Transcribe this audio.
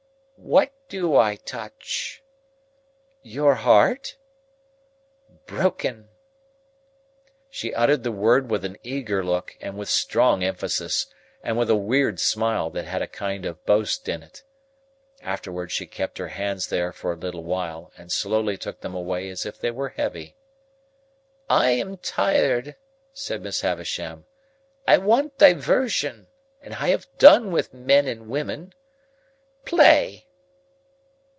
"What do I touch?" "Your heart." "Broken!" She uttered the word with an eager look, and with strong emphasis, and with a weird smile that had a kind of boast in it. Afterwards she kept her hands there for a little while, and slowly took them away as if they were heavy. "I am tired," said Miss Havisham. "I want diversion, and I have done with men and women. Play."